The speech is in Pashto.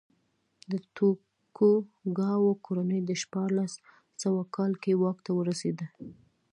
د توکوګاوا کورنۍ په شپاړس سوه کال کې واک ته ورسېده.